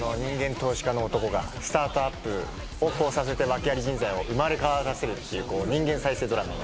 投資家の男がスタートアップをさせて訳あり人材を生まれ変わらせるっていう人間再生ドラマになってます。